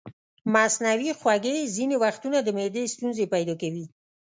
مصنوعي خوږې ځینې وختونه د معدې ستونزې پیدا کوي.